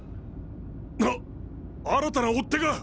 あ新たな追っ手が！